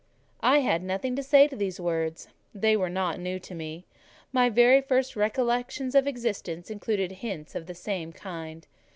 I had nothing to say to these words: they were not new to me: my very first recollections of existence included hints of the same kind.